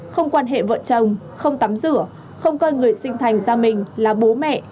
không quan hệ vợ chồng không tắm rửa không coi người sinh thành ra mình là bố mẹ